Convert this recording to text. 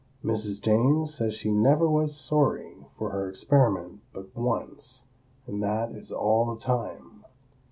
Mrs. Jane says she never was sorry for her experiment but once, and that is all the time.